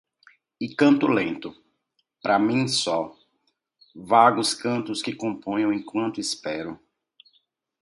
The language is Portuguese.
e canto lento, para mim só, vagos cantos que componho enquanto espero.